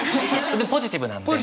ポジティブなんで。